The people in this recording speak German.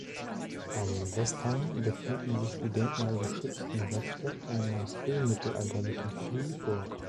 Am Westhang befinden sich die denkmalgeschützten Reste einer frühmittelalterlichen Fliehburg.